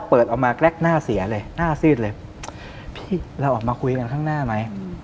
เปิดออกมาแกรกหน้าเสียเลยหน้าซีดเลยพี่เราออกมาคุยกันข้างหน้าไหม